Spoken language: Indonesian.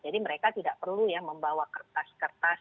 jadi mereka tidak perlu ya membawa kertas kertas